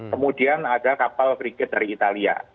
kemudian ada kapal brigate dari italia